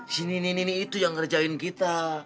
si nenek nini itu yang ngerjain kita